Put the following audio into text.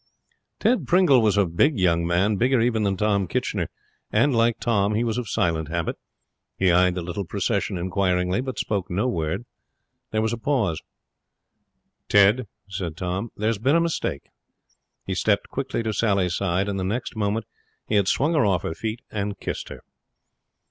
Ted Pringle was a big young man, bigger even than Tom Kitchener, and, like Tom, he was of silent habit. He eyed the little procession inquiringly, but spoke no word. There was a pause. 'Ted,' said Tom, 'there's been a mistake.' He stepped quickly to Sally's side, and the next moment he had swung her off her feet and kissed her.